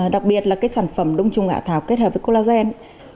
đặc biệt là sản phẩm đông trùng hạ thảo kết hợp với collagen